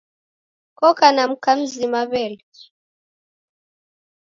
Koka na mka mzima wele?